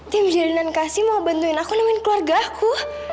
tim jalinan kasih mau bantuin aku nemuin keluarga aku